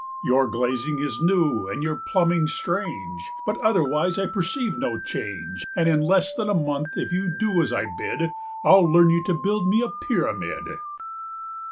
"Your glazing is new and your plumbing's strange, But otherwise I perceive no change; And in less than a month if you do as I bidI'd learn you to build me a Pyramid!"